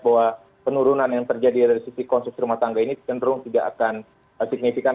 bahwa penurunan yang terjadi dari sisi konsumsi rumah tangga ini cenderung tidak akan signifikan